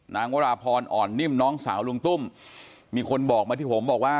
วราพรอ่อนนิ่มน้องสาวลุงตุ้มมีคนบอกมาที่ผมบอกว่า